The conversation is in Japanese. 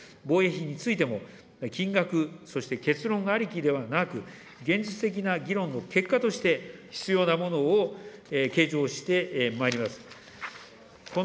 防衛費についても、金額、そして結論ありきではなく、現実的な議論の結果として、必要なものを計上してまいります。